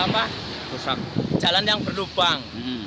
jadi jalan yang berlubang